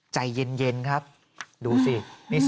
ใจเย็นครับดูสิ